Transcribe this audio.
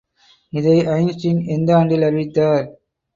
இதை ஐன்ஸ்டீன் எந்த ஆண்டில் அறிவித்தார்?